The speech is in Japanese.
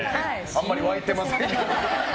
あんまり沸いてませんけど。